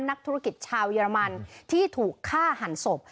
นักธุรกิจชาวเยอรมันที่ถูกฆ่าหันศพ